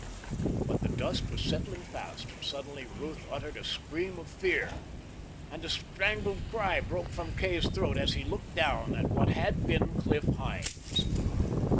But the dust was settling fast, and suddenly Ruth uttered a scream of fear. And a strangled cry broke from Kay's throat as he looked down at what had been Cliff Hynes.